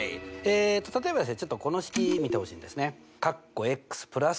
例えばですねちょっとこの式見てほしいんですね。